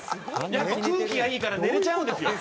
やっぱ空気がいいから寝れちゃうんですよ。